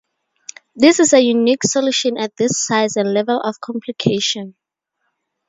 This is a unique solution at this size and level of complication.